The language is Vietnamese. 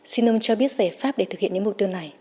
xin ông cho biết giải pháp để thực hiện những mục tiêu này